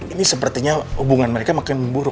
ini sepertinya hubungan mereka makin memburuk